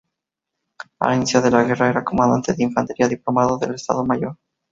Al inicio de la guerra era comandante de infantería diplomado del Estado Mayor.